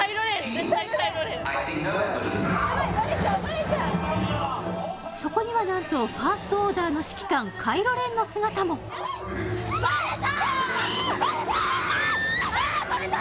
絶対カイロ・レンそこにはなんとファースト・オーダーの指揮官カイロ・レンの姿もあっバレた！